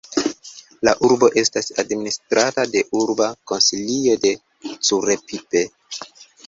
La urbo estas administrata de Urba Konsilio de Curepipe.